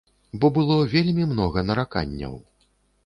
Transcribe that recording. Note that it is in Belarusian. Бо было вельмі многа нараканняў.